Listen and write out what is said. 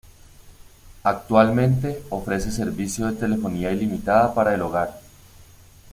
Actualmente, ofrece servicio de telefonía ilimitada para el hogar.